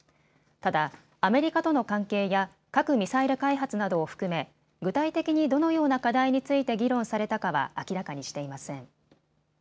ただアメリカとの関係や核・ミサイル開発などを含め具体的にどのような課題について議論されたかは明らかにしていません。